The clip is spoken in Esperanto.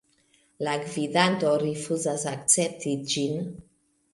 La gvidanto rifuzas akcepti ĝin.